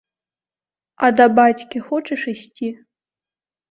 А да бацькі хочаш ісці?